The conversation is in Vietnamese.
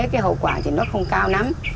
cái hậu quả thì nó không cao lắm